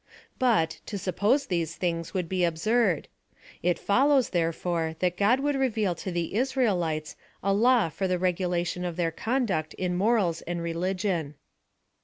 But, to suppose these things would be absurd ; it follows, therefore that God would reveal to the Israelites a law for vhe regulation of their conduct in morals and religion.